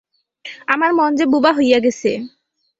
আমার মন যে বোবা হইয়া গেছে।